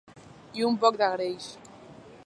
I un poc de greix.